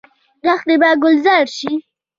دښتې به ګلزار شي.